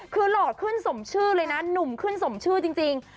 คือหล่อขึ้นสมชื่อเลยนะหนุ่มขึ้นสมชื่อจริง